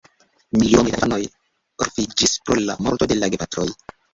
Milionoj da infanoj orfiĝis pro la morto de la gepatroj.